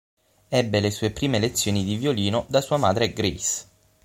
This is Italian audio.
Ebbe le sue prime lezioni di violino da sua madre Grace.